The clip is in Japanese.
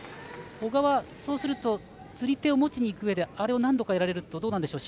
小川、そうすると釣り手を持ちにいくうえであれを何度もやられるとどうでしょう。